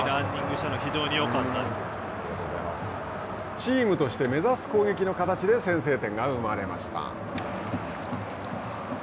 チームとして目指す攻撃の形で先制点が生まれました。